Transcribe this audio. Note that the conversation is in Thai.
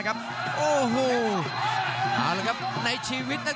รับทราบบรรดาศักดิ์